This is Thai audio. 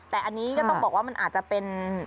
แต่อันนี้ก็ต้องบอกว่ามันอาจจะเป็น